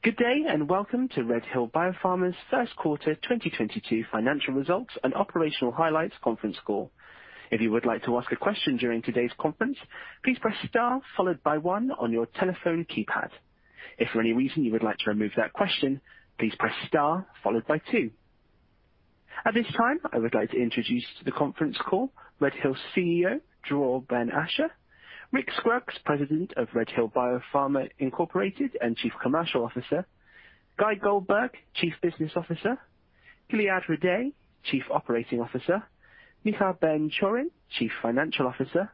Good day, and welcome to RedHill Biopharma's first quarter 2022 financial results and operational highlights conference call. If you would like to ask a question during today's conference, please press star followed by one on your telephone keypad. If for any reason you would like to remove that question, please press star followed by two. At this time, I would like to introduce to the conference call RedHill CEO, Dror Ben-Asher, Rick Scruggs, President of RedHill Biopharma Incorporated and Chief Commercial Officer, Guy Goldberg, Chief Business Officer, Gilead Raday, Chief Operating Officer, Micha Ben Chorin, Chief Financial Officer,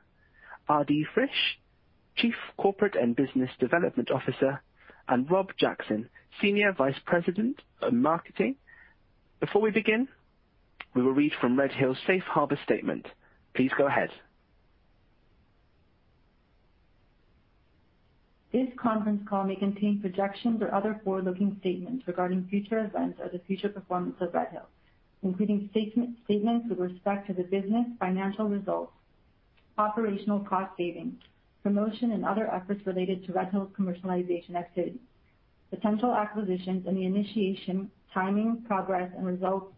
Adi Frish, Chief Corporate and Business Development Officer, and Rob Jackson, Senior Vice President of Marketing. Before we begin, we will read from RedHill's Safe Harbor statement. Please go ahead. This conference call may contain projections or other forward-looking statements regarding future events or the future performance of RedHill, including statements with respect to the business, financial results, operational cost savings, promotion and other efforts related to RedHill's commercialization activity, potential acquisitions, and the initiation, timing, progress and results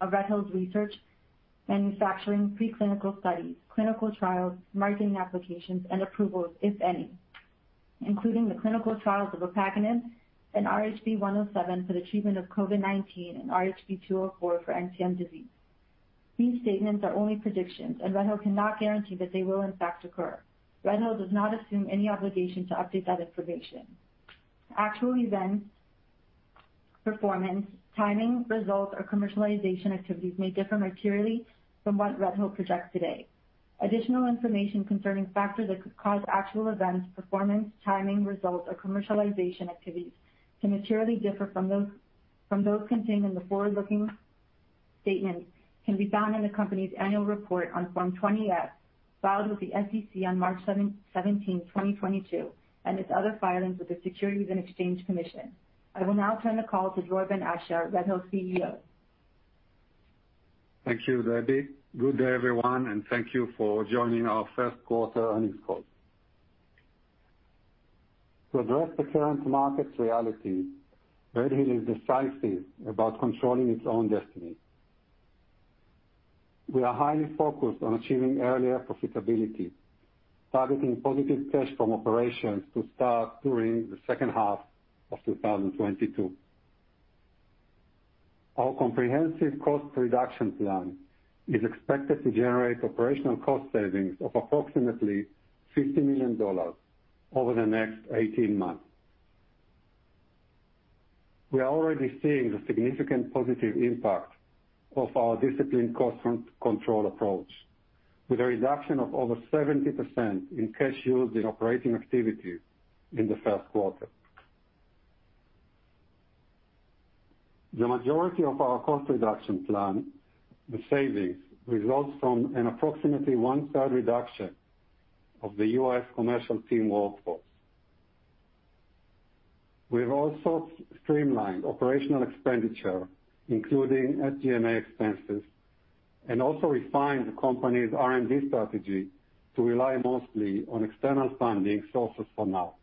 of RedHill's research, manufacturing, pre-clinical studies, clinical trials, marketing applications and approvals, if any, including the clinical trials of upamostat and RHB 107 for the treatment of COVID-19 and RHB 204 for NTM disease. These statements are only predictions, and RedHill cannot guarantee that they will in fact occur. RedHill does not assume any obligation to update that information. Actual events, performance, timing, results or commercialization activities may differ materially from what RedHill projects today. Additional information concerning factors that could cause actual events, performance, timing, results or commercialization activities to materially differ from those contained in the forward-looking statement can be found in the company's annual report on Form 20-F filed with the SEC on March seventeenth, 2022, and its other filings with the Securities and Exchange Commission. I will now turn the call to Dror Ben-Asher, RedHill CEO. Thank you, Debbie. Good day, everyone, and thank you for joining our first quarter earnings call. To address the current market's reality, RedHill is decisive about controlling its own destiny. We are highly focused on achieving earlier profitability, targeting positive cash from operations to start during the second half of 2022. Our comprehensive cost reduction plan is expected to generate operational cost savings of approximately $50 million over the next 18 months. We are already seeing the significant positive impact of our disciplined cost control approach, with a reduction of over 70% in cash used in operating activities in the first quarter. The majority of our cost reduction plan, the savings, results from an approximately one-third reduction of the U.S. commercial team workforce. We've also streamlined operational expenditure, including SG&A expenses, and also refined the company's R&D strategy to rely mostly on external funding sources for now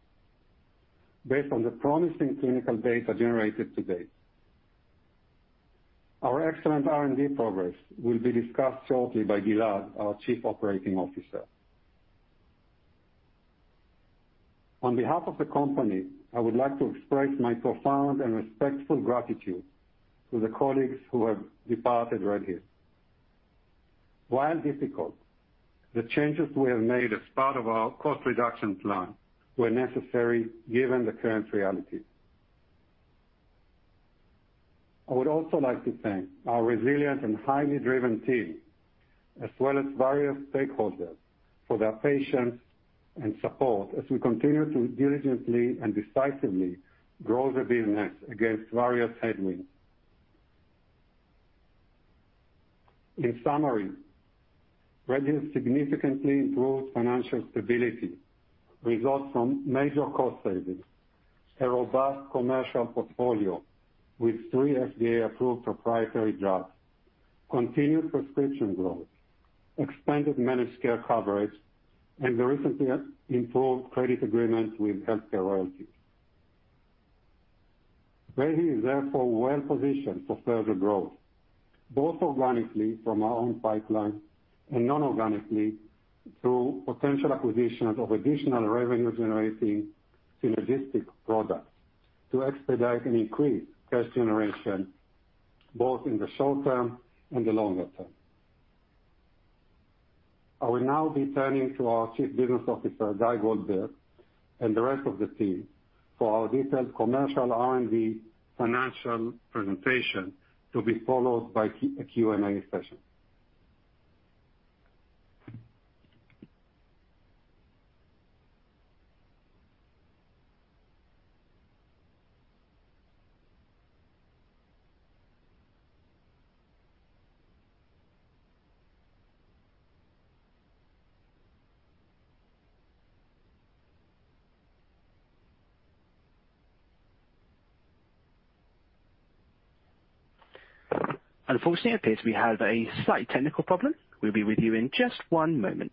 based on the promising clinical data generated to date. Our excellent R&D progress will be discussed shortly by Gilead, our Chief Operating Officer. On behalf of the company, I would like to express my profound and respectful gratitude to the colleagues who have departed RedHill. While difficult, the changes we have made as part of our cost reduction plan were necessary given the current reality. I would also like to thank our resilient and highly driven team as well as various stakeholders for their patience and support as we continue to diligently and decisively grow the business against various headwinds. In summary, RedHill Biopharma significantly improved financial stability, results from major cost savings, a robust commercial portfolio with three FDA-approved proprietary drugs, continued prescription growth, expanded managed care coverage, and the recently improved credit agreement with HealthCare Royalty Partners. RedHill is therefore well positioned for further growth, both organically from our own pipeline and non-organically through potential acquisitions of additional revenue-generating synergistic products to expedite and increase cash generation both in the short term and the longer term. I will now be turning to our Chief Business Officer, Guy Goldberg, and the rest of the team for our detailed commercial R&D financial presentation to be followed by a Q&A session. Unfortunately, it appears we have a slight technical problem. We'll be with you in just one moment.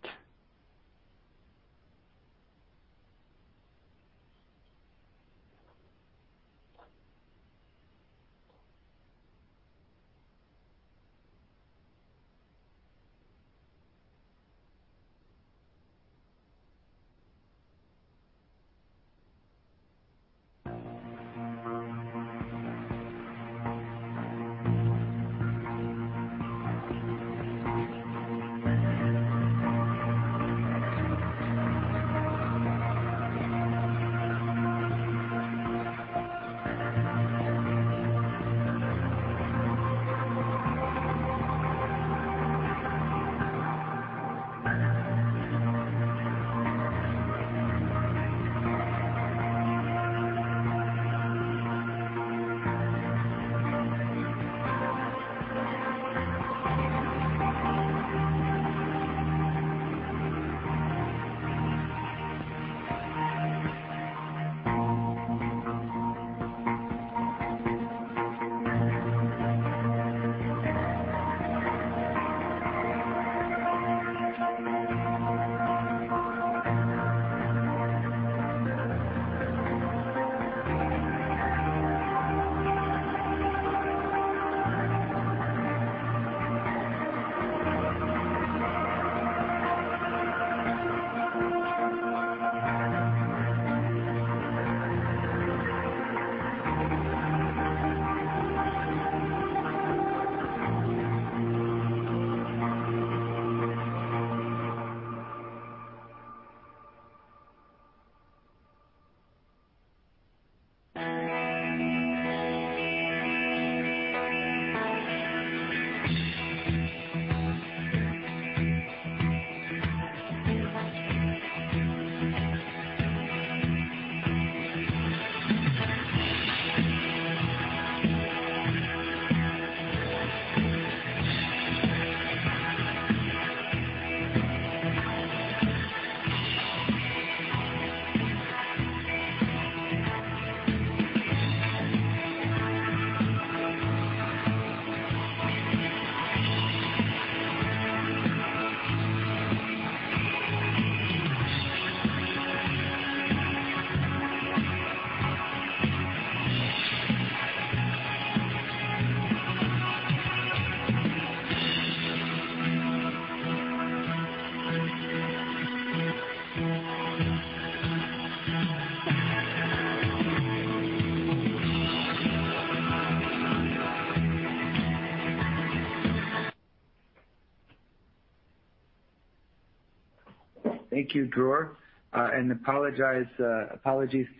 Thank you, Dror. Apologies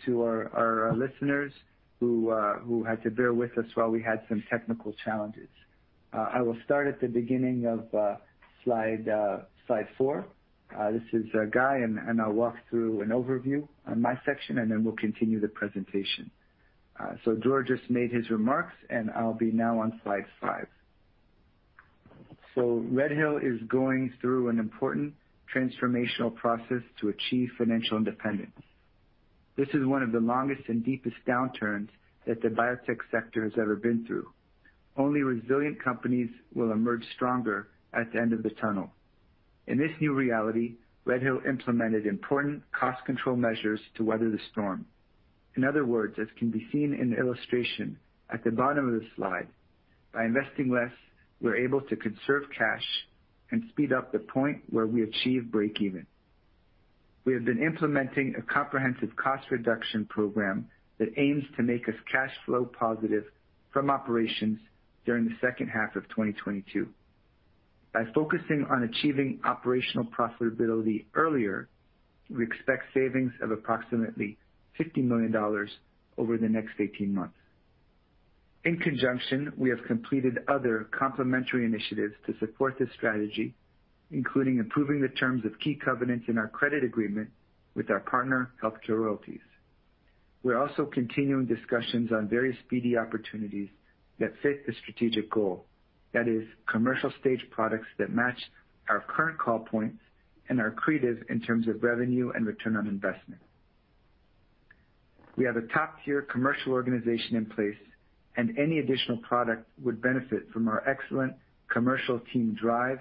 to our listeners who had to bear with us while we had some technical challenges. I will start at the beginning of slide four. This is Guy, and I'll walk through an overview on my section, and then we'll continue the presentation. Dror just made his remarks, and I'll be now on slide five. RedHill is going through an important transformational process to achieve financial independence. This is one of the longest and deepest downturns that the biotech sector has ever been through. Only resilient companies will emerge stronger at the end of the tunnel. In this new reality, RedHill implemented important cost control measures to weather the storm. In other words, as can be seen in the illustration at the bottom of the slide, by investing less, we're able to conserve cash and speed up the point where we achieve breakeven. We have been implementing a comprehensive cost reduction program that aims to make us cash flow positive from operations during the second half of 2022. By focusing on achieving operational profitability earlier, we expect savings of approximately $50 million over the next 18 months. In conjunction, we have completed other complementary initiatives to support this strategy, including improving the terms of key covenants in our credit agreement with our partner, HealthCare Royalty Partners. We're also continuing discussions on various BD opportunities that fit the strategic goal. That is, commercial stage products that match our current call points and are accretive in terms of revenue and return on investment. We have a top-tier commercial organization in place, and any additional product would benefit from our excellent commercial team drive,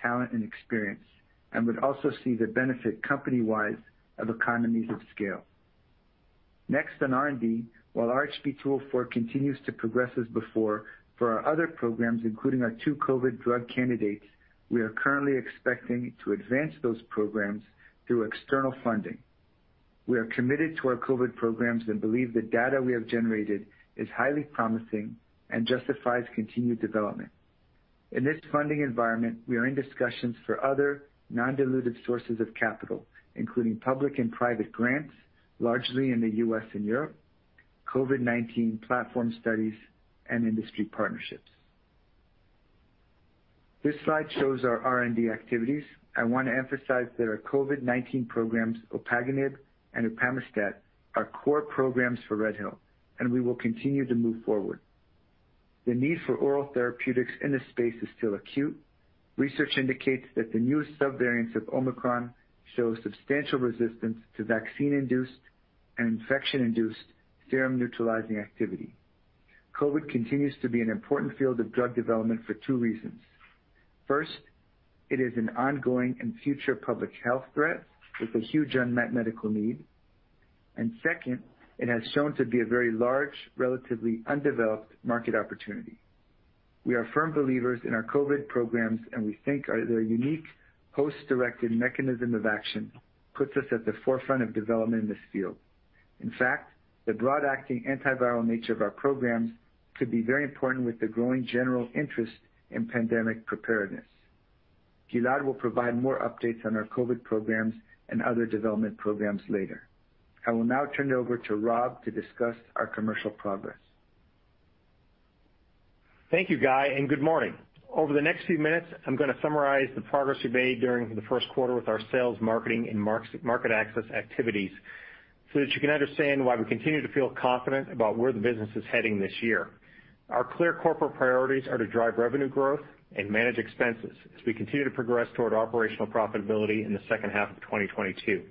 talent, and experience, and would also see the benefit company-wide of economies of scale. Next on R&D, while RHB-204 continues to progress as before, for our other programs, including our two COVID drug candidates, we are currently expecting to advance those programs through external funding. We are committed to our COVID programs and believe the data we have generated is highly promising and justifies continued development. In this funding environment, we are in discussions for other non-dilutive sources of capital, including public and private grants, largely in the U.S. and Europe, COVID-19 platform studies and industry partnerships. This slide shows our R&D activities. I want to emphasize that our COVID-19 programs, Opaganib and upamostat, are core programs for RedHill, and we will continue to move forward. The need for oral therapeutics in this space is still acute. Research indicates that the new sub-variants of Omicron show substantial resistance to vaccine-induced and infection-induced serum neutralizing activity. COVID continues to be an important field of drug development for two reasons. First, it is an ongoing and future public health threat with a huge unmet medical need. Second, it has shown to be a very large, relatively undeveloped market opportunity. We are firm believers in our COVID programs, and we think their unique host-directed mechanism of action puts us at the forefront of development in this field. In fact, the broad-acting antiviral nature of our programs could be very important with the growing general interest in pandemic preparedness. Gilead will provide more updates on our COVID programs and other development programs later. I will now turn it over to Rob to discuss our commercial progress. Thank you, Guy, and good morning. Over the next few minutes, I'm gonna summarize the progress we made during the first quarter with our sales, marketing, and market access activities so that you can understand why we continue to feel confident about where the business is heading this year. Our clear corporate priorities are to drive revenue growth and manage expenses as we continue to progress toward operational profitability in the second half of 2022.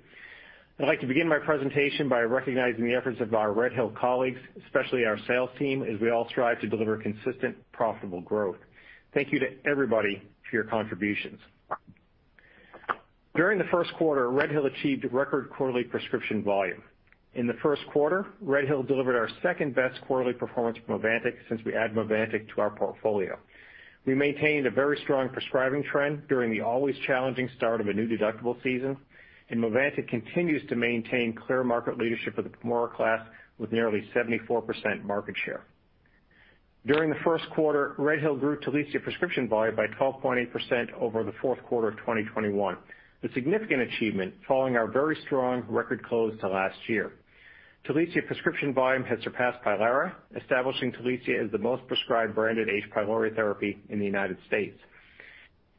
I'd like to begin my presentation by recognizing the efforts of our RedHill colleagues, especially our sales team, as we all strive to deliver consistent, profitable growth. Thank you to everybody for your contributions. During the first quarter, RedHill achieved record quarterly prescription volume. In the first quarter, RedHill delivered our second-best quarterly performance for Movantik since we added Movantik to our portfolio. We maintained a very strong prescribing trend during the always challenging start of a new deductible season, and Movantik continues to maintain clear market leadership for the PAMORA class with nearly 74% market share. During the first quarter, RedHill grew Talicia prescription volume by 12.8 over the fourth quarter of 2021. A significant achievement following our very strong record close to last year. Talicia prescription volume has surpassed Pylera, establishing Talicia as the most prescribed branded H. pylori therapy in the United States.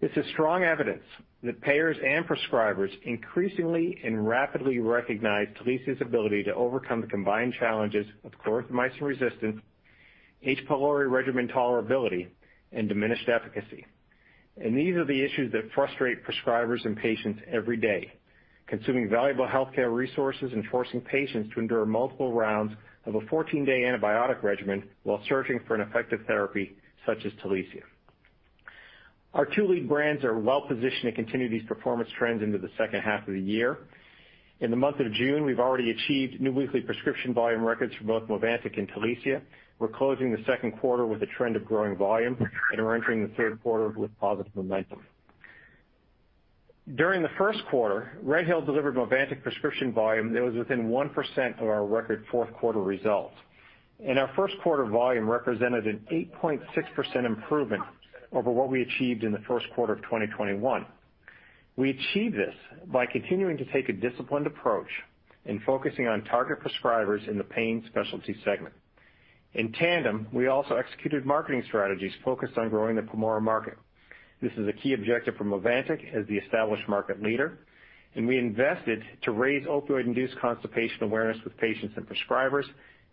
This is strong evidence that payers and prescribers increasingly and rapidly recognize Talicia's ability to overcome the combined challenges of clarithromycin resistance, H. pylori regimen tolerability, and diminished efficacy. These are the issues that frustrate prescribers and patients every day, consuming valuable healthcare resources and forcing patients to endure multiple rounds of a 14-day antibiotic regimen while searching for an effective therapy such as Talicia. Our two lead brands are well-positioned to continue these performance trends into the second half of the year. In the month of June, we've already achieved new weekly prescription volume records for both Movantik and Talicia. We're closing the second quarter with a trend of growing volume, and we're entering the third quarter with positive momentum. During the first quarter, RedHill delivered Movantik prescription volume that was within 1% of our record fourth quarter results. Our first quarter volume represented an 8.6% improvement over what we achieved in the first quarter of 2021. We achieved this by continuing to take a disciplined approach and focusing on target prescribers in the pain specialty segment. In tandem, we also executed marketing strategies focused on growing the PAMORA market. This is a key objective for Movantik as the established market leader, and we invested to raise opioid-induced constipation awareness with patients and prescribers,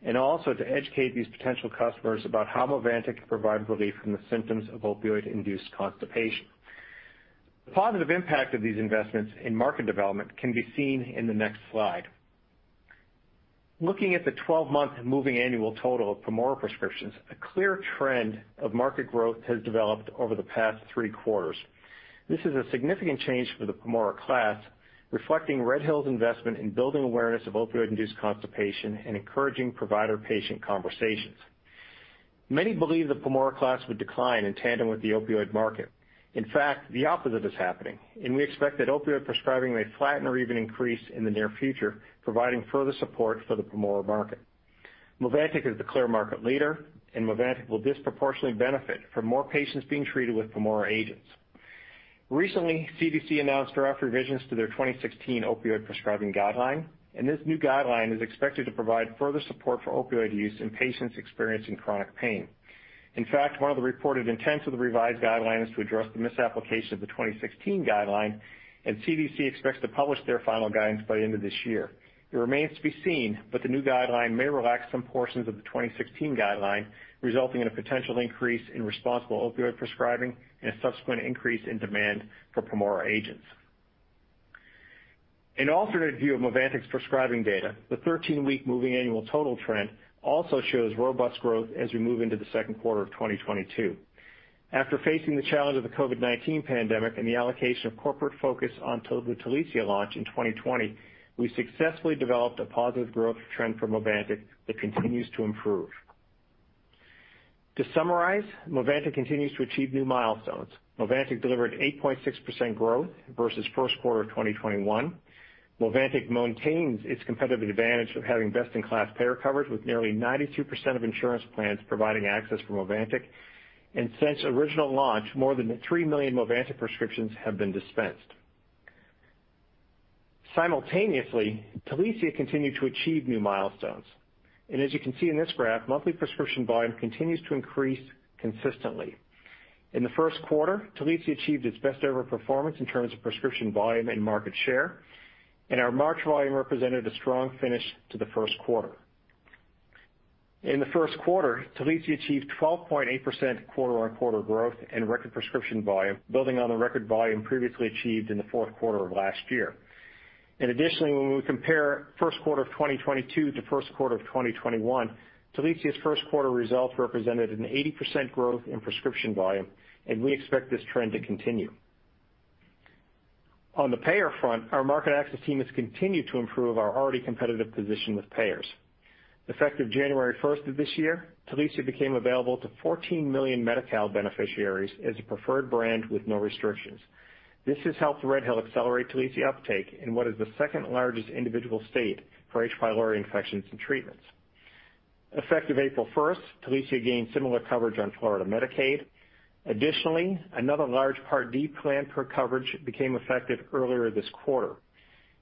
and also to educate these potential customers about how Movantik can provide relief from the symptoms of opioid-induced constipation. The positive impact of these investments in market development can be seen in the next slide. Looking at the twelve-month moving annual total of PAMORA prescriptions, a clear trend of market growth has developed over the past three quarters. This is a significant change for the PAMORA class, reflecting RedHill's investment in building awareness of opioid-induced constipation and encouraging provider-patient conversations. Many believe the PAMORA class would decline in tandem with the opioid market. In fact, the opposite is happening, and we expect that opioid prescribing may flatten or even increase in the near future, providing further support for the PAMORA market. Movantik is the clear market leader, and Movantik will disproportionately benefit from more patients being treated with PAMORA agents. Recently, CDC announced draft revisions to their 2016 opioid prescribing guideline, and this new guideline is expected to provide further support for opioid use in patients experiencing chronic pain. In fact, one of the reported intents of the revised guideline is to address the misapplication of the 2016 guideline, and CDC expects to publish their final guidance by the end of this year. It remains to be seen, but the new guideline may relax some portions of the 2016 guideline, resulting in a potential increase in responsible opioid prescribing and a subsequent increase in demand for PAMORA agents. An alternate view of Movantik's prescribing data, the 13-week moving annual total trend, also shows robust growth as we move into the second quarter of 2022. After facing the challenge of the COVID-19 pandemic and the allocation of corporate focus onto the Talicia launch in 2020, we successfully developed a positive growth trend for Movantik that continues to improve. To summarize, Movantik continues to achieve new milestones. Movantik delivered 8.6% growth versus first quarter of 2021. Movantik maintains its competitive advantage of having best-in-class payer coverage, with nearly 92% of insurance plans providing access for Movantik. Since original launch, more than three million Movantik prescriptions have been dispensed. Simultaneously, Talicia continued to achieve new milestones. As you can see in this graph, monthly prescription volume continues to increase consistently. In the first quarter, Talicia achieved its best-ever performance in terms of prescription volume and market share, and our March volume represented a strong finish to the first quarter. In the first quarter, Talicia achieved 12.8% quarter-on-quarter growth and record prescription volume, building on the record volume previously achieved in the fourth quarter of last year. Additionally, when we compare first quarter of 2022 to first quarter of 2021, Talicia's first quarter results represented an 80% growth in prescription volume, and we expect this trend to continue. On the payer front, our market access team has continued to improve our already competitive position with payers. Effective January first of this year, Talicia became available to 14 million Medi-Cal beneficiaries as a preferred brand with no restrictions. This has helped RedHill accelerate Talicia uptake in what is the second-largest individual state for H. pylori infections and treatments. Effective April first, Talicia gained similar coverage on Florida Medicaid. Additionally, another large Part D plan for coverage became effective earlier this quarter.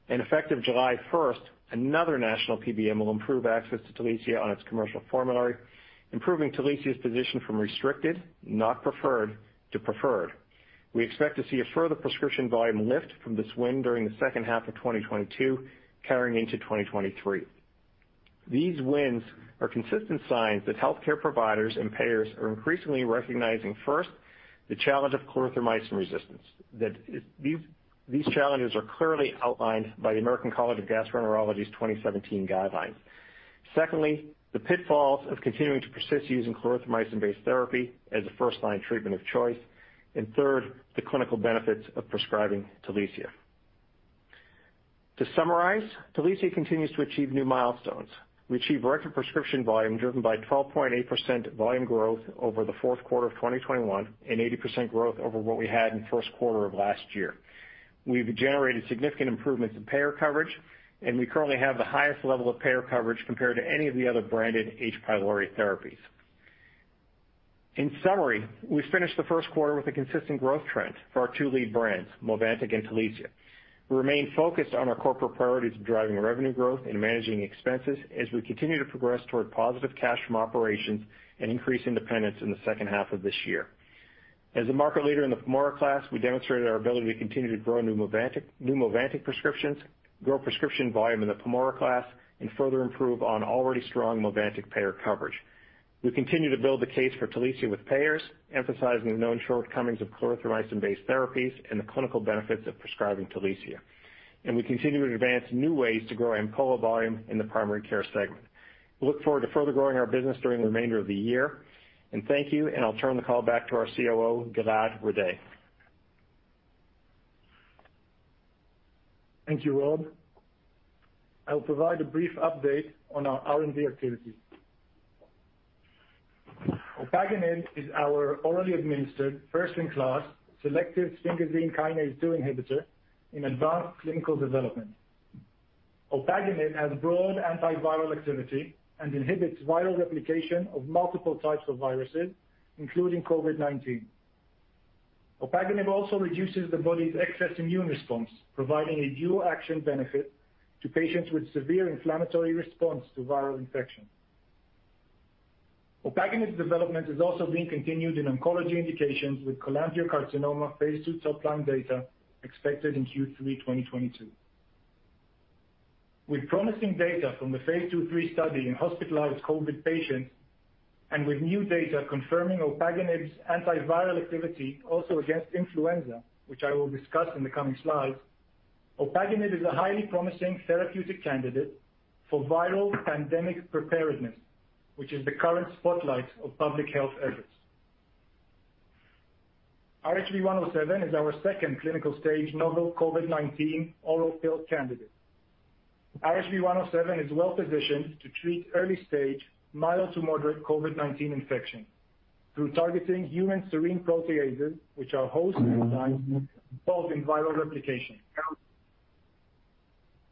Effective July first, another national PBM will improve access to Talicia on its commercial formulary, improving Talicia's position from restricted, not preferred, to preferred. We expect to see a further prescription volume lift from this win during the second half of 2022, carrying into 2023. These wins are consistent signs that healthcare providers and payers are increasingly recognizing, first, the challenge of clarithromycin resistance, that these challenges are clearly outlined by the American College of Gastroenterology's 2017 guidelines. Secondly, the pitfalls of continuing to persist using clarithromycin-based therapy as a first-line treatment of choice. Third, the clinical benefits of prescribing Talicia. To summarize, Talicia continues to achieve new milestones. We achieved record prescription volume driven by 12.8% volume growth over the fourth quarter of 2021 and 80% growth over what we had in first quarter of last year. We've generated significant improvements in payer coverage, and we currently have the highest level of payer coverage compared to any of the other branded H. pylori therapies. In summary, we finished the first quarter with a consistent growth trend for our two lead brands, Movantik and Talicia. We remain focused on our corporate priorities of driving revenue growth and managing expenses as we continue to progress toward positive cash from operations and increase independence in the second half of this year. As a market leader in the PAMORA class, we demonstrated our ability to continue to grow new Movantik, new Movantik prescriptions, grow prescription volume in the PAMORA class, and further improve on already strong Movantik payer coverage. We continue to build the case for Talicia with payers, emphasizing the known shortcomings of clarithromycin-based therapies and the clinical benefits of prescribing Talicia. We continue to advance new ways to grow AMPYRA volume in the primary care segment. We look forward to further growing our business during the remainder of the year. Thank you, and I'll turn the call back to our COO, Gilead Raday. Thank you, Rob. I'll provide a brief update on our R&D activities. Opaganib is our already administered, first-in-class, selective sphingosine kinase-2 inhibitor in advanced clinical development. Opaganib has broad antiviral activity and inhibits viral replication of multiple types of viruses, including COVID-19. Opaganib also reduces the body's excess immune response, providing a dual action benefit to patients with severe inflammatory response to viral infection. Opaganib's development is also being continued in oncology indications with cholangiocarcinoma phase II topline data expected in Q3 2022. With promising data from the phase II/III study in hospitalized COVID patients and with new data confirming Opaganib's antiviral activity also against influenza, which I will discuss in the coming slides, Opaganib is a highly promising therapeutic candidate for viral pandemic preparedness, which is the current spotlight of public health efforts. RHB-107 is our second clinical stage novel COVID-19 oral pill candidate. RHB-107 is well-positioned to treat early stage mild to moderate COVID-19 infection through targeting human serine proteases, which are host enzymes involved in viral replication.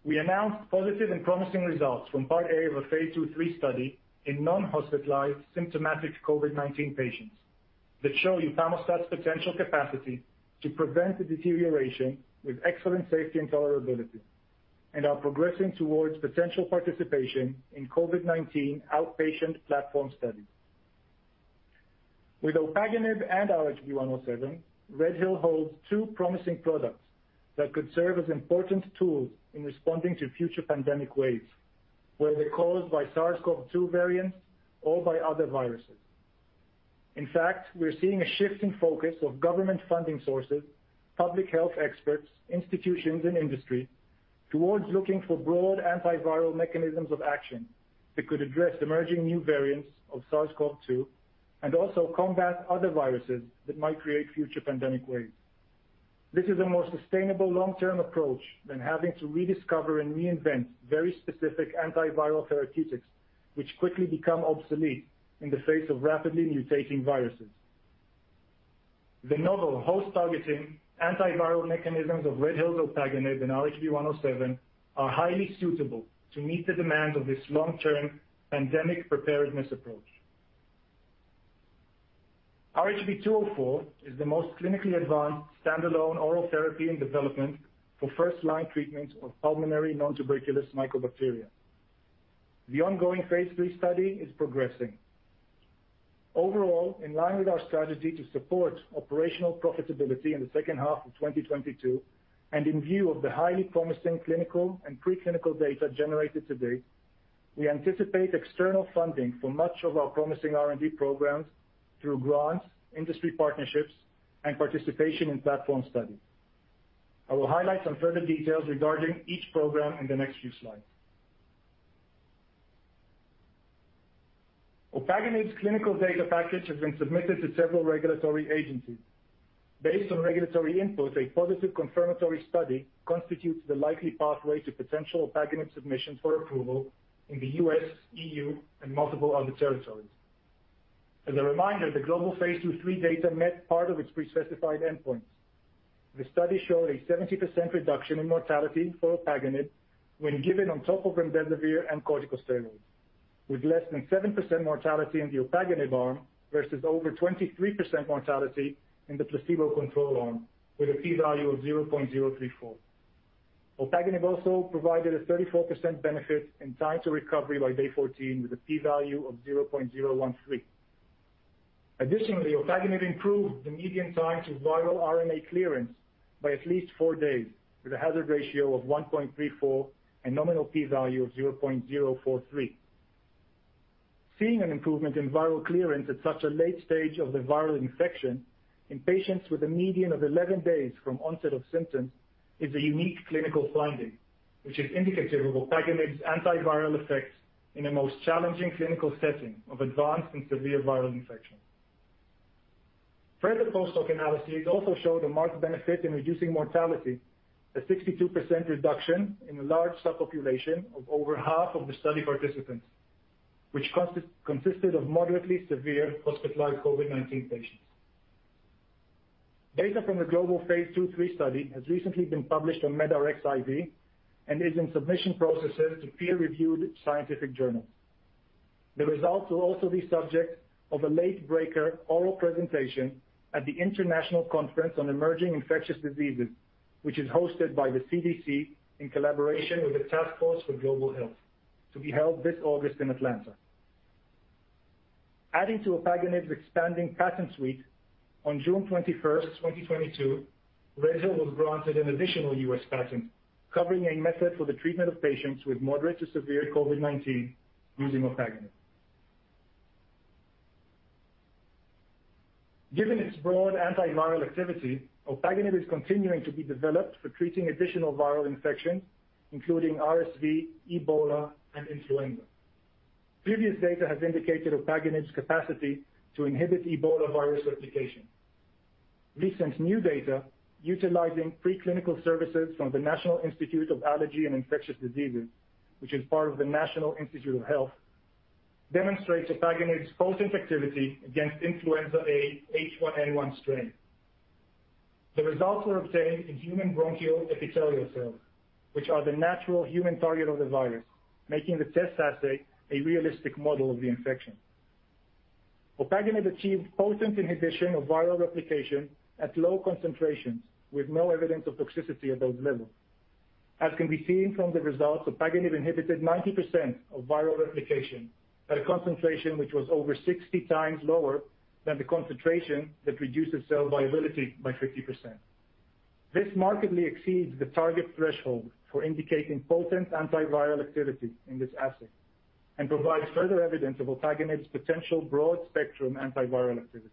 We announced positive and promising results from part A of a phase II/III study in non-hospitalized symptomatic COVID-19 patients that show upamostat's potential capacity to prevent the deterioration with excellent safety and tolerability and are progressing towards potential participation in COVID-19 outpatient platform studies. With Opaganib and RHB-107, RedHill holds two promising products that could serve as important tools in responding to future pandemic waves, whether caused by SARS-CoV-2 variants or by other viruses. We're seeing a shift in focus of government funding sources, public health experts, institutions, and industry towards looking for broad antiviral mechanisms of action that could address emerging new variants of SARS-CoV-2 and also combat other viruses that might create future pandemic waves. This is a more sustainable long-term approach than having to rediscover and reinvent very specific antiviral therapeutics, which quickly become obsolete in the face of rapidly mutating viruses. The novel host-targeting antiviral mechanisms of RedHill's Opaganib and RHB 107 are highly suitable to meet the demands of this long-term pandemic preparedness approach. RHB 204 is the most clinically advanced standalone oral therapy in development for first-line treatment of pulmonary nontuberculous mycobacteria. The ongoing phase III study is progressing. Overall, in line with our strategy to support operational profitability in the second half of 2022, and in view of the highly promising clinical and pre-clinical data generated to date, we anticipate external funding for much of our promising R&D programs through grants, industry partnerships, and participation in platform studies. I will highlight some further details regarding each program in the next few slides. Opaganib's clinical data package has been submitted to several regulatory agencies. Based on regulatory input, a positive confirmatory study constitutes the likely pathway to potential Opaganib submissions for approval in the US, EU, and multiple other territories. As a reminder, the global phase II/III data met part of its pre-specified endpoints. The study showed a 70% reduction in mortality for Opaganib when given on top of remdesivir and corticosteroids, with less than 7% mortality in the Opaganib arm versus over 23% mortality in the placebo control arm with a P-value of 0.034. Opaganib also provided a 34% benefit in time to recovery by day 14 with a P-value of 0.013. Additionally, Opaganib improved the median time to viral RNA clearance by at least four days with a hazard ratio of 1.34 and nominal P-value of 0.043. Seeing an improvement in viral clearance at such a late stage of the viral infection in patients with a median of 11 days from onset of symptoms is a unique clinical finding, which is indicative of Opaganib's antiviral effects in a most challenging clinical setting of advanced and severe viral infection. Further post-hoc analyses also showed a marked benefit in reducing mortality, a 62% reduction in a large subpopulation of over half of the study participants, which consisted of moderately severe hospitalized COVID-19 patients. Data from the global phase II/III study has recently been published on medRxiv and is in submission processes to peer-reviewed scientific journals. The results will also be subject of a late-breaker oral presentation at the International Conference on Emerging Infectious Diseases, which is hosted by the CDC in collaboration with the Task Force for Global Health, to be held this August in Atlanta. Adding to Opaganib's expanding patent suite, on June 21st, 2022, RedHill was granted an additional U.S. patent covering a method for the treatment of patients with moderate to severe COVID-19 using Opaganib. Given its broad antiviral activity, Opaganib is continuing to be developed for treating additional viral infections, including RSV, Ebola, and influenza. Previous data has indicated Opaganib's capacity to inhibit Ebola virus replication. Recent new data utilizing preclinical services from the National Institute of Allergy and Infectious Diseases, which is part of the National Institutes of Health, demonstrates Opaganib's potent activity against influenza A H1N1 strain. The results were obtained in human bronchial epithelial cells, which are the natural human target of the virus, making the test assay a realistic model of the infection. Opaganib achieved potent inhibition of viral replication at low concentrations with no evidence of toxicity at those levels. As can be seen from the results, Opaganib inhibited 90% of viral replication at a concentration which was over 60x lower than the concentration that reduced the cell viability by 50%. This markedly exceeds the target threshold for indicating potent antiviral activity in this assay and provides further evidence of Opaganib's potential broad-spectrum antiviral activity.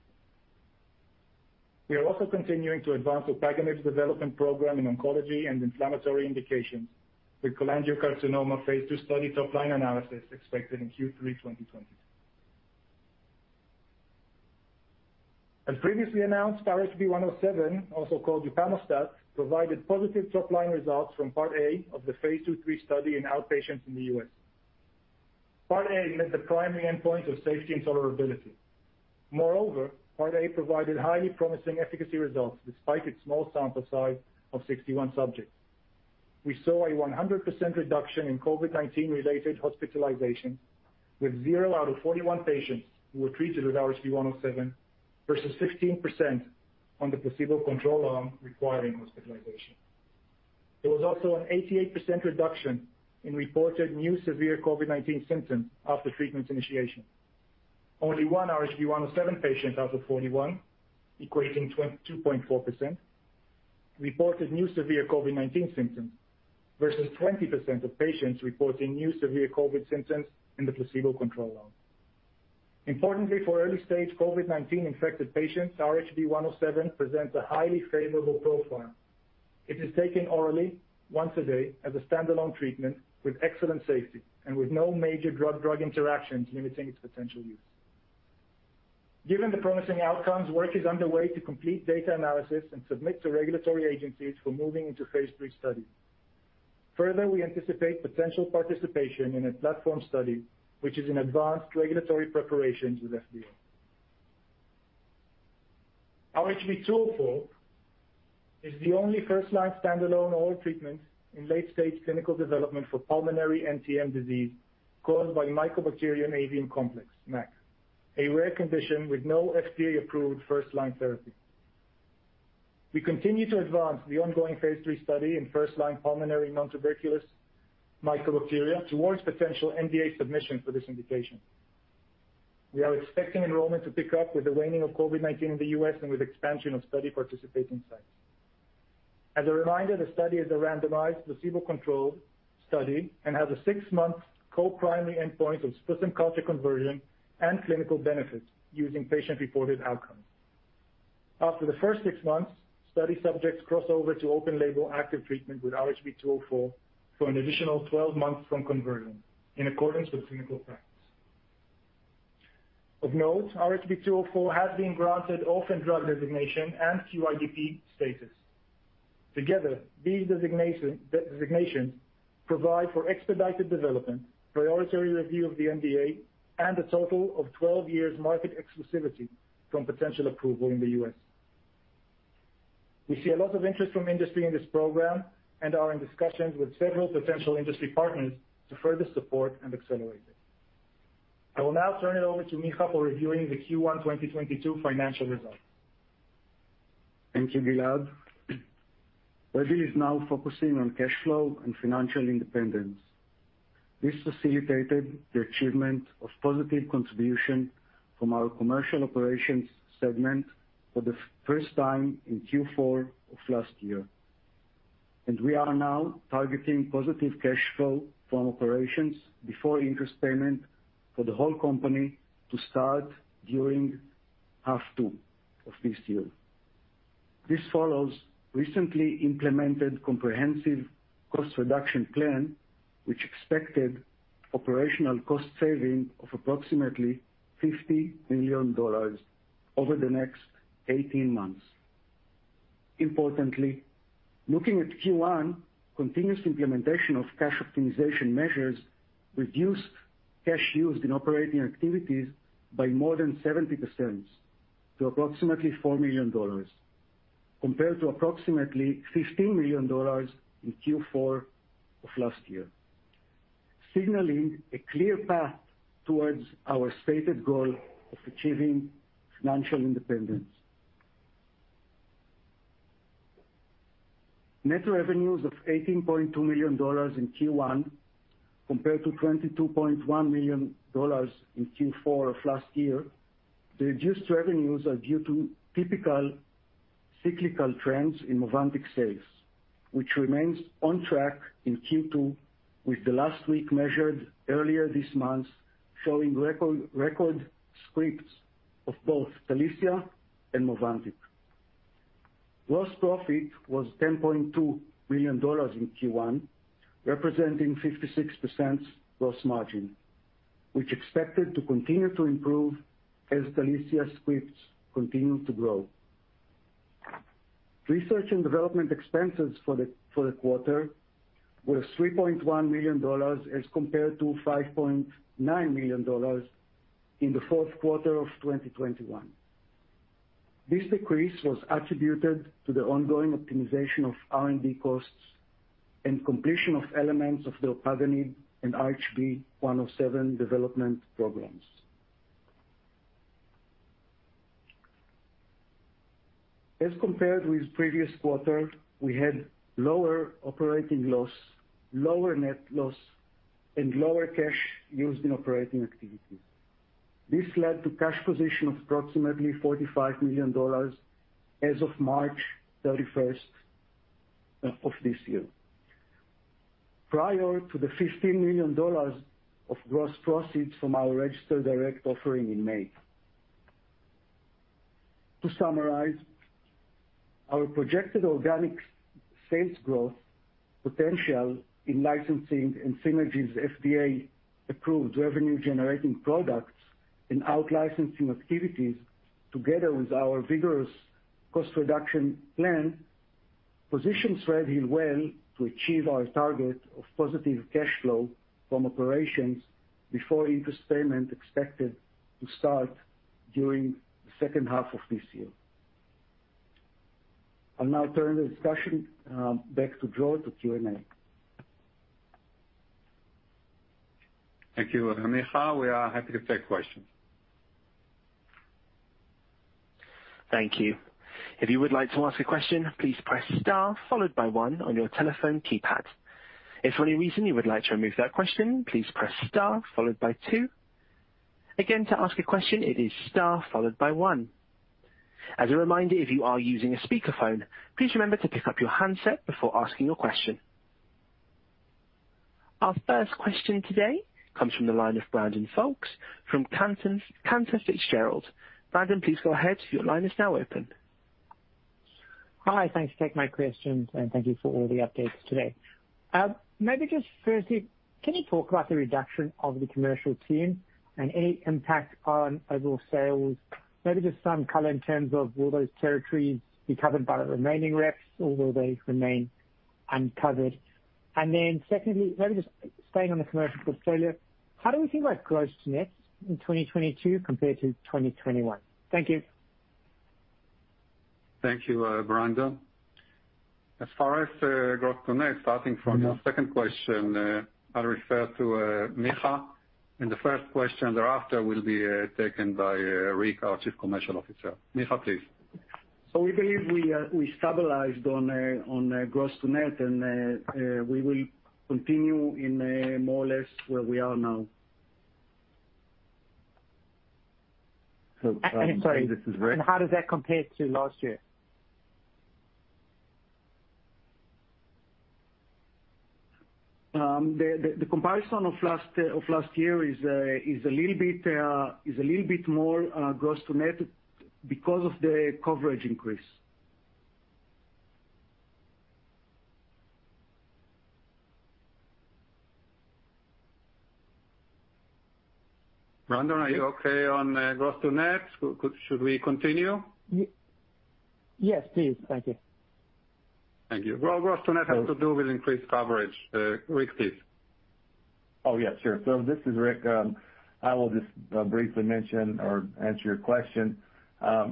We are also continuing to advance Opaganib's development program in oncology and inflammatory indications with cholangiocarcinoma phase II study top line analysis expected in Q3 2022. As previously announced, RHB 107, also called upamostat, provided positive top-line results from part A of the phase II study in outpatients in the U.S. Part A met the primary endpoint of safety and tolerability. Moreover, part A provided highly promising efficacy results despite its small sample size of 61 subjects. We saw a 100% reduction in COVID-19-related hospitalizations, with zero out of 41 patients who were treated with RHB 107 versus 16% on the placebo control arm requiring hospitalization. There was also an 88% reduction in reported new severe COVID-19 symptoms after treatment initiation. Only one RHB 107 patient out of 41, equating to 2.4%, reported new severe COVID-19 symptoms versus 20% of patients reporting new severe COVID symptoms in the placebo control arm. Importantly, for early-stage COVID-19-infected patients, RHB 107 presents a highly favorable profile. It is taken orally once a day as a standalone treatment with excellent safety and with no major drug-drug interactions limiting its potential use. Given the promising outcomes, work is underway to complete data analysis and submit to regulatory agencies for moving into phase III study. Further, we anticipate potential participation in a platform study which is in advanced regulatory preparations with FDA. RHB-204 is the only first-line standalone oral treatment in late-stage clinical development for pulmonary NTM disease caused by Mycobacterium avium complex, MAC, a rare condition with no FDA-approved first-line therapy. We continue to advance the ongoing phase III study in first-line pulmonary nontuberculous mycobacteria towards potential NDA submission for this indication. We are expecting enrollment to pick up with the waning of COVID-19 in the US and with expansion of study participating sites. As a reminder, the study is a randomized, placebo-controlled study and has a six-month co-primary endpoint of sputum culture conversion and clinical benefits using patient-reported outcomes. After the first six months, study subjects cross over to open label active treatment with RHB-204 for an additional 12 months from conversion in accordance with clinical practice. Of note, RHB-204 has been granted orphan drug designation and QIDP status. Together, these designations provide for expedited development, priority review of the NDA, and a total of 12 years market exclusivity from potential approval in the U.S. We see a lot of interest from industry in this program and are in discussions with several potential industry partners to further support and accelerate it. I will now turn it over to Micha for reviewing the Q1 2022 financial results. Thank you, Gilead. RedHill is now focusing on cash flow and financial independence. This facilitated the achievement of positive contribution from our commercial operations segment for the first time in Q4 of last year. We are now targeting positive cash flow from operations before interest payment for the whole company to start during second half of this year. This follows recently implemented comprehensive cost reduction plan, which expected operational cost saving of approximately $50 million over the next 18 months. Importantly, looking at Q1, continuous implementation of cash optimization measures reduced cash used in operating activities by more than 70% to approximately $4 million, compared to approximately $15 million in Q4 of last year, signaling a clear path towards our stated goal of achieving financial independence. Net revenues of $18.2 million in Q1 compared to $22.1 million in Q4 of last year. The reduced revenues are due to typical cyclical trends in Movantik sales, which remains on track in Q2 with the last week measured earlier this month, showing record scripts of both Talicia and Movantik. Gross profit was $10.2 million in Q1, representing 56% gross margin, which expected to continue to improve as Talicia scripts continue to grow. Research and development expenses for the quarter were $3.1 million as compared to $5.9 million in the fourth quarter of 2021. This decrease was attributed to the ongoing optimization of R&D costs and completion of elements of the Opaganib and RHB 107 development programs. As compared with previous quarter, we had lower operating loss, lower net loss, and lower cash used in operating activities. This led to cash position of approximately $45 million as of March 31st of this year, prior to the $15 million of gross proceeds from our registered direct offering in May. To summarize, our projected organic sales growth potential in licensing and such as our FDA-approved revenue generating products and out-licensing activities, together with our vigorous cost reduction plan, positions RedHill well to achieve our target of positive cash flow from operations before interest payment expected to start during the second half of this year. I'll now turn the discussion back to Joe to Q&A. Thank you, Micha. We are happy to take questions. Thank you. If you would like to ask a question, please press star followed by one on your telephone keypad. If for any reason you would like to remove that question, please press star followed by two. Again, to ask a question, it is star followed by one. As a reminder, if you are using a speakerphone, please remember to pick up your handset before asking your question. Our first question today comes from the line of Brandon Folkes from Cantor Fitzgerald. Brandon, please go ahead. Your line is now open. Hi. Thanks for taking my questions, and thank you for all the updates today. Maybe just firstly, can you talk about the reduction of the commercial team and any impact on overall sales? Maybe just some color in terms of will those territories be covered by the remaining reps, or will they remain uncovered? Secondly, maybe just staying on the commercial portfolio, how do we think about gross to net in 2022 compared to 2021? Thank you. Thank you, Brandon. As far as gross to net, starting from your second question, I'll refer to Micha, and the first question thereafter will be taken by Rick, our Chief Commercial Officer. Micha, please. We believe we stabilized on gross to net, and we will continue in more or less where we are now. So, uh- Sorry. This is Rick. How does that compare to last year? The comparison of last year is a little bit more gross to net because of the coverage increase. Brandon, are you okay on gross to net? Should we continue? Yes, please. Thank you. Thank you. Well, gross to net has to do with increased coverage. Rick, please. Oh, yeah, sure. This is Rick. I will just briefly mention or answer your question.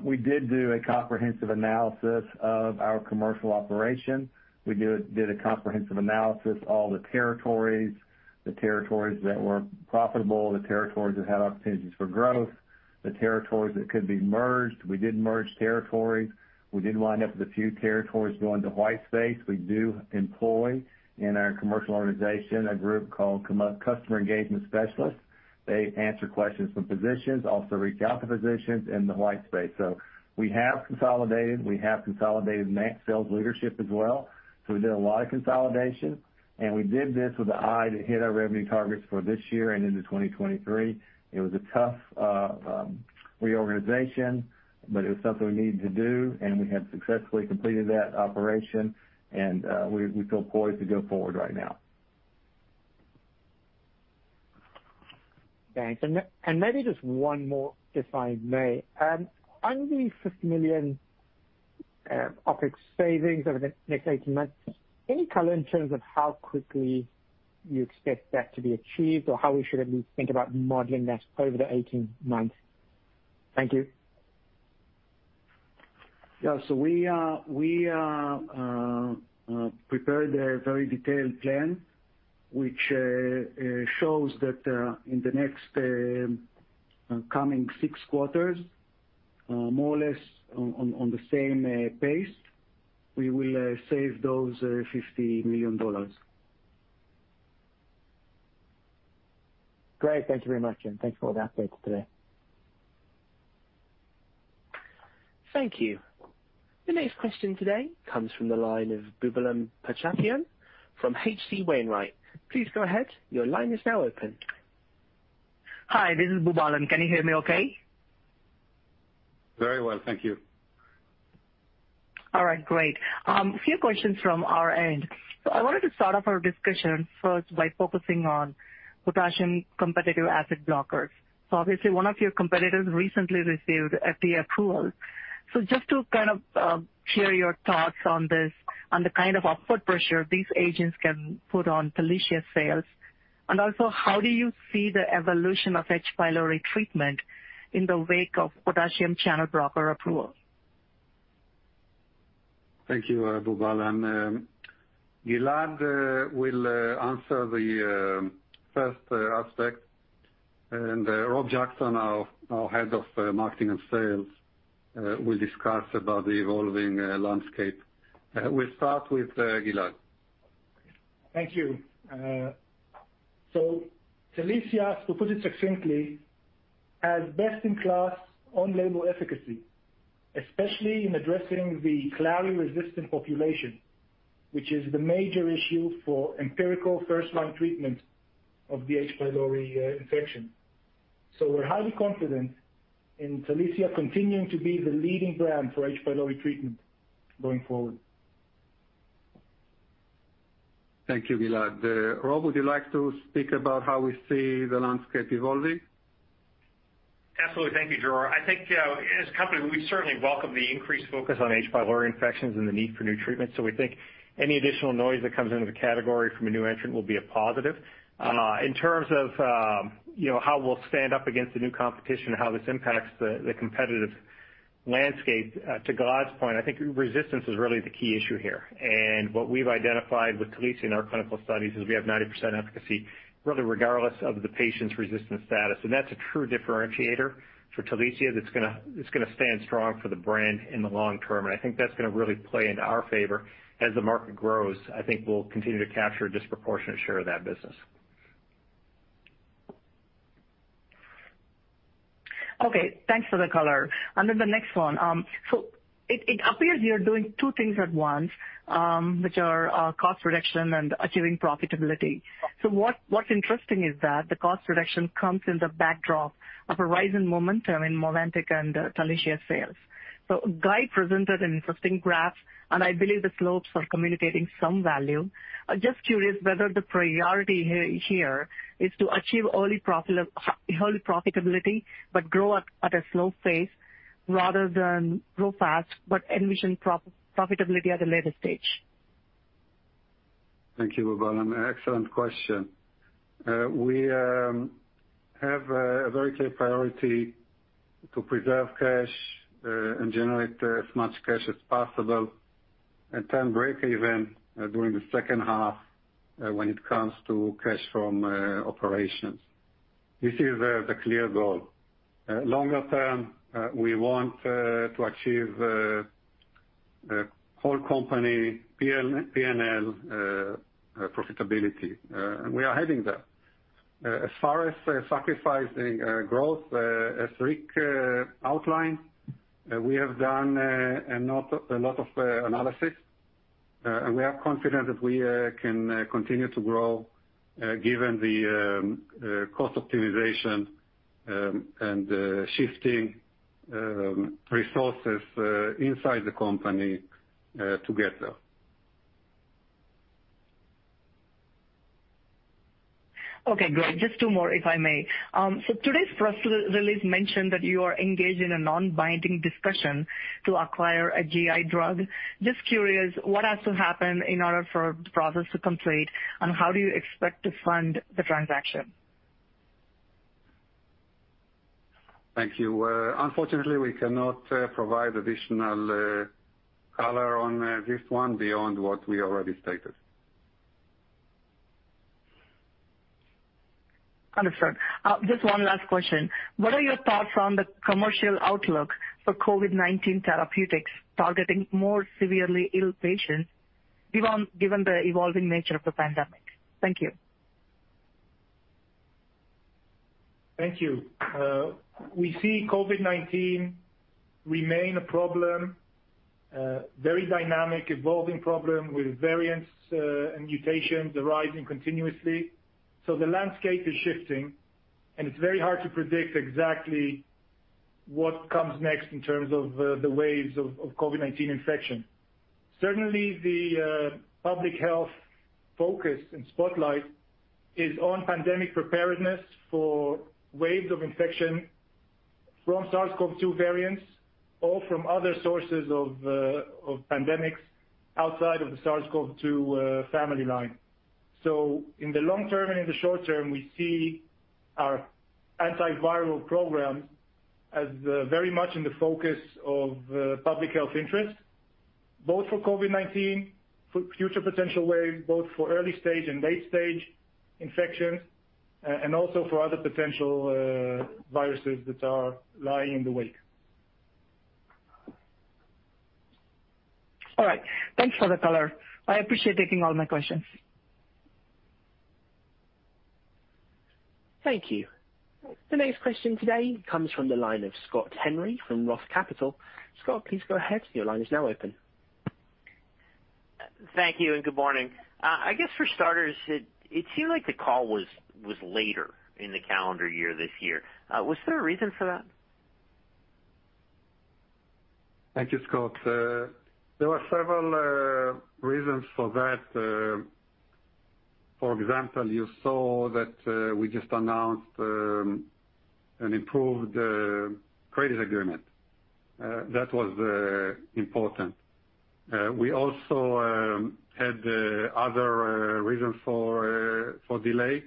We did do a comprehensive analysis of our commercial operation. We did a comprehensive analysis, all the territories, the territories that were profitable, the territories that had opportunities for growth, the territories that could be merged. We did merge territories. We did wind up with a few territories going to white space. We do employ in our commercial organization a group called Customer Engagement Specialists. They answer questions from physicians, also reach out to physicians in the white space. We have consolidated. We have consolidated our sales leadership as well. We did a lot of consolidation, and we did this with the eye to hit our revenue targets for this year and into 2023. It was a tough reorganization, but it was something we needed to do, and we have successfully completed that operation and we feel poised to go forward right now. Thanks. Maybe just one more, if I may. On the $50 million OpEx savings over the next 18 months, any color in terms of how quickly you expect that to be achieved or how we should at least think about modeling that over the 18 months? Thank you. Yeah. We are prepared a very detailed plan which shows that in the next coming six quarters, more or less on the same pace, we will save those $50 million. Great. Thank you very much, and thanks for all the updates today. Thank you. The next question today comes from the line of Boobalan Pachaiyappan from H.C. Wainwright. Please go ahead. Your line is now open. Hi, this is Boobalan. Can you hear me okay? Very well. Thank you. All right, great. A few questions from our end. I wanted to start off our discussion first by focusing on potassium-competitive acid blockers. Obviously one of your competitors recently received FDA approval. Just to kind of share your thoughts on this, on the kind of upward pressure these agents can put on Talicia sales. Also how do you see the evolution of H. pylori treatment in the wake of potassium-competitive acid blocker approval? Thank you, Boobalan. Gilead will answer the first aspect and Rob Jackson, our head of marketing and sales, will discuss about the evolving landscape. We'll start with Gilead. Thank you. Talicia, to put it succinctly, has best in class on-label efficacy, especially in addressing the clarithromycin-resistant population, which is the major issue for empirical first-line treatment of the H. pylori infection. We're highly confident in Talicia continuing to be the leading brand for H. pylori treatment going forward. Thank you, Gilead. Rob, would you like to speak about how we see the landscape evolving? Absolutely. Thank you, Dror. I think, as a company, we certainly welcome the increased focus on H. pylori infections and the need for new treatments. We think any additional noise that comes into the category from a new entrant will be a positive. In terms of, you know, how we'll stand up against the new competition and how this impacts the competitive landscape, to Gilad's point, I think resistance is really the key issue here. What we've identified with Talicia in our clinical studies is we have 90% efficacy, really regardless of the patient's resistance status. That's a true differentiator for Talicia that's gonna stand strong for the brand in the long term. I think that's gonna really play into our favor. As the market grows, I think we'll continue to capture a disproportionate share of that business. Okay, thanks for the color. Then the next one. It appears you're doing two things at once, which are cost reduction and achieving profitability. What's interesting is that the cost reduction comes in the backdrop of a rise in momentum in Movantik and Talicia sales. Guy presented an interesting graph, and I believe the slopes are communicating some value. I'm just curious whether the priority here is to achieve early profitability, but grow at a slow pace rather than grow fast, but envision profitability at a later stage. Thank you, Boobalan. Excellent question. We have a very clear priority to preserve cash, and generate as much cash as possible and turn breakeven, during the second half, when it comes to cash from operations. This is the clear goal. Longer term, we want to achieve whole company P&L profitability. We are heading there. As far as sacrificing growth, as Rick outlined, we have done a lot of analysis, and we are confident that we can continue to grow, given the cost optimization, and shifting resources inside the company, to get there. Okay, great. Just two more, if I may. Today's press release mentioned that you are engaged in a non-binding discussion to acquire a GI drug. Just curious what has to happen in order for the process to complete and how do you expect to fund the transaction? Thank you. Unfortunately, we cannot provide additional color on this one beyond what we already stated. Understood. Just one last question. What are your thoughts on the commercial outlook for COVID-19 therapeutics targeting more severely ill patients given the evolving nature of the pandemic? Thank you. Thank you. We see COVID-19 remain a problem, very dynamic evolving problem with variants, and mutations arising continuously. The landscape is shifting and it's very hard to predict exactly what comes next in terms of, the waves of COVID-19 infection. Certainly, the public health focus and spotlight is on pandemic preparedness for waves of infection from SARS-CoV-2 variants or from other sources of, pandemics outside of the SARS-CoV-2 family line. In the long term and in the short term, we see our antiviral programs as, very much in the focus of, public health interest, both for COVID-19, future potential waves, both for early stage and late stage infections, and also for other potential, viruses that are lying in the wake. All right. Thanks for the color. I appreciate taking all my questions. Thank you. The next question today comes from the line of Scott Henry from Roth Capital. Scott, please go ahead. Your line is now open. Thank you and good morning. I guess for starters, it seemed like the call was later in the calendar year this year. Was there a reason for that? Thank you, Scott. There were several reasons for that. For example, you saw that we just announced an improved credit agreement. That was important. We also had other reasons for delay.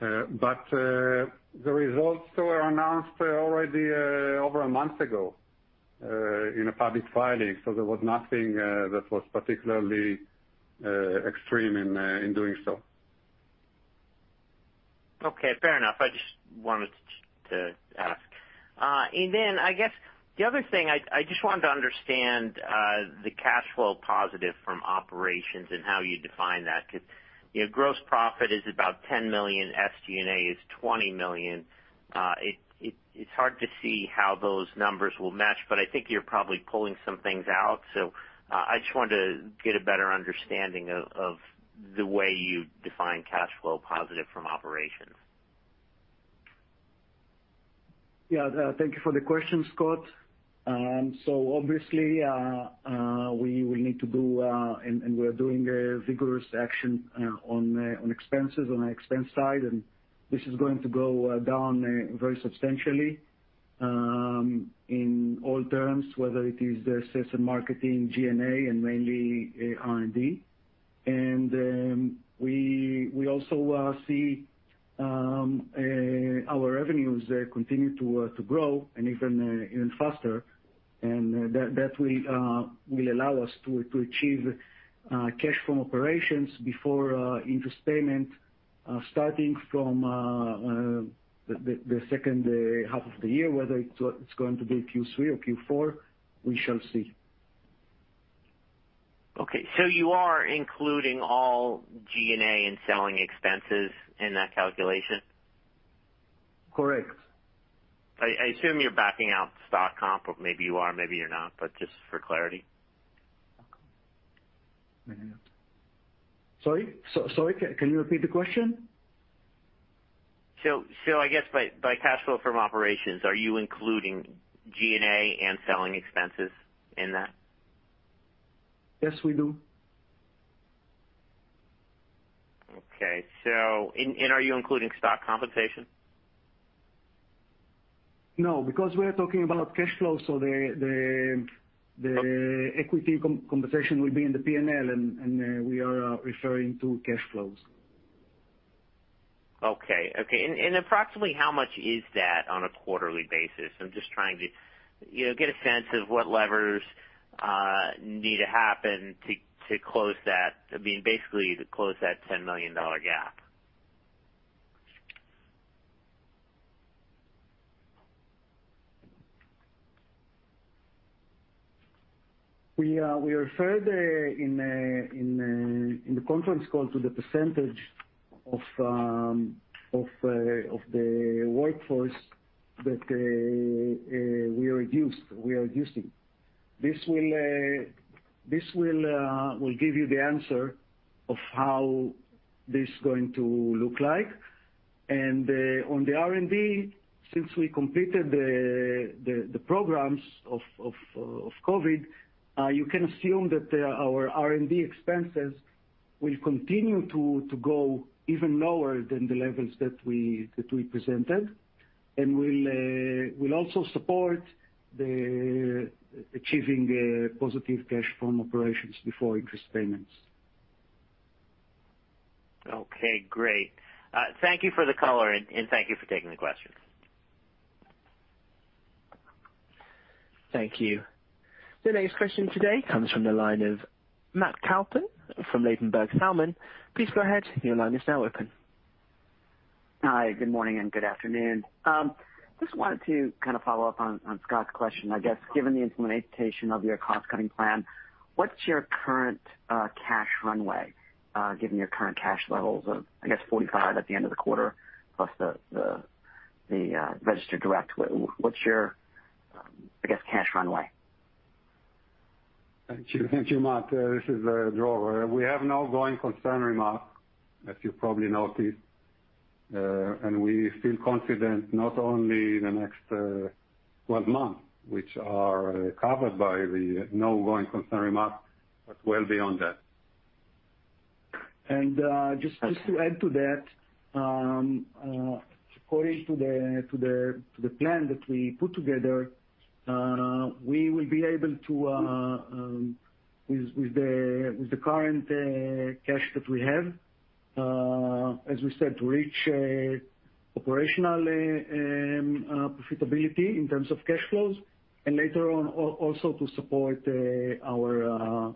The results were announced already over a month ago in a public filing. There was nothing that was particularly extreme in doing so. Okay. Fair enough. I just wanted to ask. Then I guess the other thing I just wanted to understand the cash flow positive from operations and how you define that. 'Cause, you know, gross profit is about $10 million, SG&A is $20 million. It's hard to see how those numbers will match, but I think you're probably pulling some things out. I just wanted to get a better understanding of the way you define cash flow positive from operations. Yeah. Thank you for the question, Scott. Obviously, we will need to do and we're doing a vigorous action on expenses on our expense side, and this is going to go down very substantially in all terms, whether it is the sales and marketing G&A and mainly R&D. We also see our revenues continue to grow and even faster. That will allow us to achieve cash from operations before interest payment starting from the second half of the year. Whether it's going to be Q3 or Q4, we shall see. Okay. You are including all G&A and selling expenses in that calculation? Correct. I assume you're backing out stock comp, or maybe you are, maybe you're not, but just for clarity. Sorry? Sorry, can you repeat the question? I guess by cash flow from operations, are you including G&A and selling expenses in that? Yes, we do. Are you including stock compensation? No, because we are talking about cash flow, so the equity compensation will be in the P&L and we are referring to cash flows. Approximately how much is that on a quarterly basis? I'm just trying to, you know, get a sense of what levers need to happen to close that. I mean, basically to close that $10 million gap. We referred in the conference call to the percentage of the workforce that we are reducing. This will give you the answer of how this is going to look like. On the R&D, since we completed the programs of COVID, you can assume that our R&D expenses will continue to go even lower than the levels that we presented. Will also support the achieving positive cash from operations before interest payments. Okay, great. Thank you for the color and thank you for taking the question. Thank you. The next question today comes from the line of Matt Kaplan from Ladenburg Thalmann. Please go ahead. Your line is now open. Hi, good morning and good afternoon. Just wanted to kind of follow up on Scott's question. I guess, given the implementation of your cost-cutting plan, what's your current cash runway, given your current cash levels of, I guess, $45 at the end of the quarter, plus the registered direct. What's your, I guess, cash runway? Thank you. Thank you, Matt. This is Dror. We have no going concern remark, as you probably noticed, and we feel confident not only in the next 12 months, which are covered by the no going concern remark, but well beyond that. Just to add to that, according to the plan that we put together, we will be able to, with the current cash that we have, as we said, to reach operational profitability in terms of cash flows, and later on, also to support our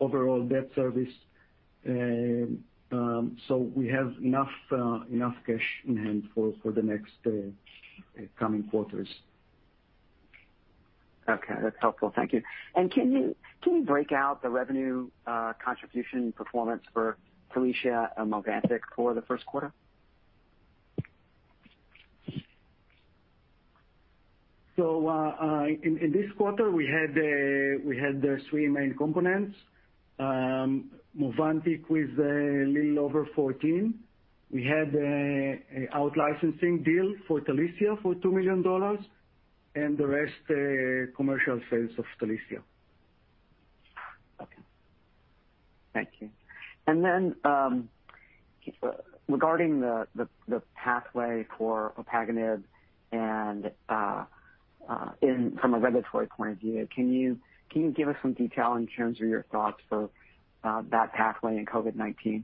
overall debt service. We have enough cash in hand for the next coming quarters. Okay. That's helpful. Thank you. Can you break out the revenue contribution performance for Talicia and Movantik for the first quarter? In this quarter we had the three main components. Movantik with a little over 14. We had out licensing deal for Talicia for $2 million, and the rest commercial sales of Talicia. Okay. Thank you. Regarding the pathway for Opaganib and from a regulatory point of view, can you give us some detail in terms of your thoughts for that pathway and COVID-19?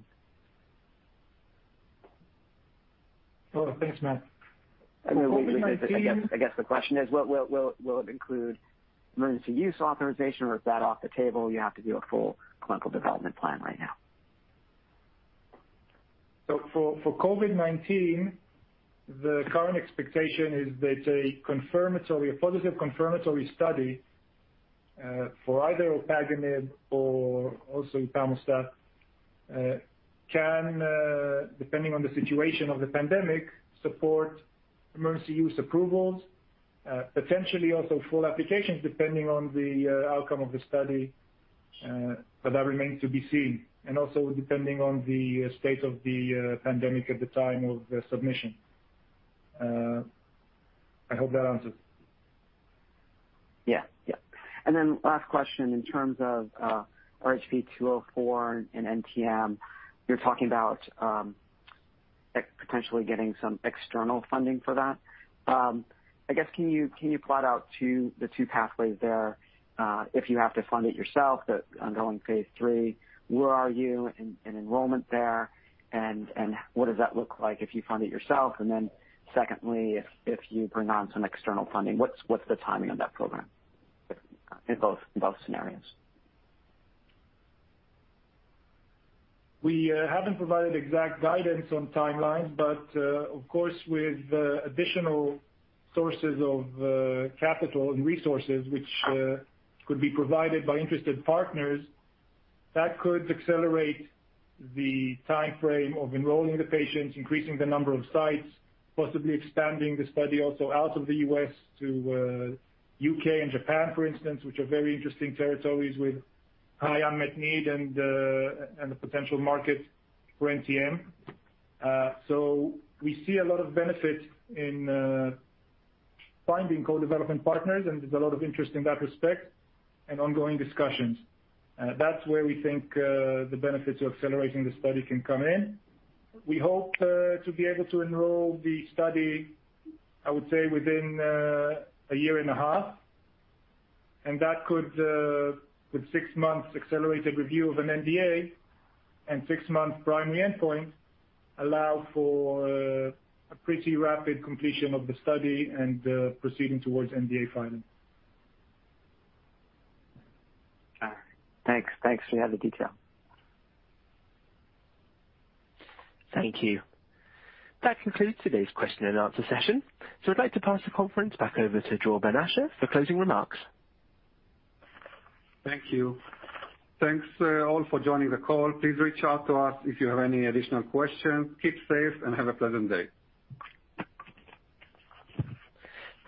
Oh, thanks, Matt. I guess the question is what will it include emergency use authorization or is that off the table, you have to do a full clinical development plan right now? For COVID-19, the current expectation is that a positive confirmatory study for either Opaganib or also upamostat, depending on the situation of the pandemic, can support emergency use approvals. Potentially also full applications, depending on the outcome of the study, but that remains to be seen, and also depending on the state of the pandemic at the time of the submission. I hope that answers. Last question. In terms of RHB-204 and NTM, you're talking about potentially getting some external funding for that. I guess, can you plot out the two pathways there, if you have to fund it yourself, the ongoing phase III, where are you in enrollment there and what does that look like if you fund it yourself? Secondly, if you bring on some external funding, what's the timing on that program in both scenarios? We haven't provided exact guidance on timelines, but of course, with additional sources of capital and resources which could be provided by interested partners, that could accelerate the timeframe of enrolling the patients, increasing the number of sites, possibly expanding the study also out of the U.S. to U.K. and Japan, for instance, which are very interesting territories with high unmet need and the potential market for NTM. We see a lot of benefit in finding co-development partners, and there's a lot of interest in that respect and ongoing discussions. That's where we think the benefits of accelerating the study can come in. We hope to be able to enroll the study, I would say, within a year and a half. That could, with six months accelerated review of an NDA and six months primary endpoint, allow for a pretty rapid completion of the study and proceeding towards NDA filing. All right. Thanks. Thanks for all the detail. Thank you. That concludes today's question and answer session. I'd like to pass the conference back over to Dror Ben-Asher for closing remarks. Thank you. Thanks, all for joining the call. Please reach out to us if you have any additional questions. Keep safe and have a pleasant day.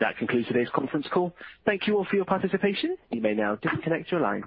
That concludes today's conference call. Thank you all for your participation. You may now disconnect your lines.